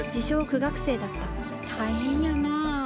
苦学生だった大変やなあ。